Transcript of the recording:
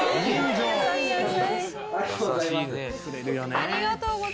ありがとうございます。